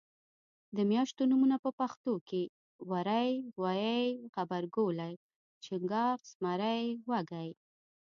د میاشتو نومونه په پښتو کې وری غویي غبرګولی چنګاښ زمری وږی